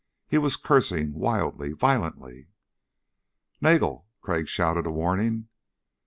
He was cursing wildly, violently. "Nagel!" Crag shouted a warning.